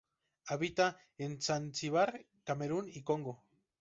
Habita en Zanzíbar, Camerún y Congo.